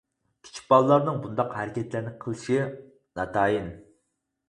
كىچىك بالىلارنىڭ بۇنداق ھەرىكەتلەرنى قىلىشى ناتايىن!